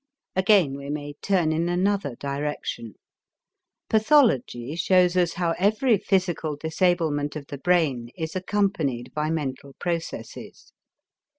Again we may turn in another direction. Pathology shows us how every physical disablement of the brain is accompanied by mental processes.